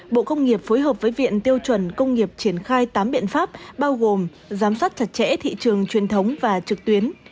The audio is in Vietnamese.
bộ công nghiệp phối hợp với viện tiêu chuẩn công nghiệp triển khai tám biện pháp bao gồm giám sát chặt chẽ thị trường truyền thống và trực tuyến